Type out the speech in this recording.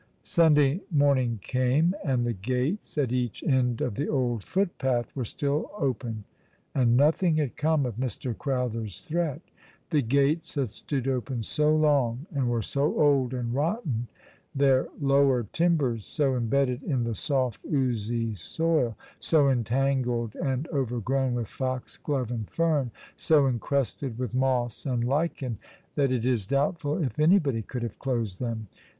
Sunday morning came, and the gates at each end of the old footpath were still open, and nothing had come of Mr. Crowther's threat. The gates had stood open so long, and were so old and rotten, their lower timbers so embedded in the soft, oozy soil, so entangled and overgrown with foxglove and fern, so encrusted with moss and lichen, that it is doubtful if anybody could have closed them.